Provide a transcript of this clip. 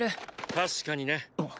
確かにね。